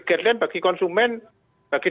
guideline bagi konsumen bagi